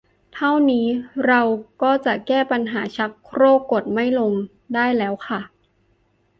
เท่านี้เราก็จะแก้ปัญหาชักโครกกดไม่ลงได้แล้วค่ะ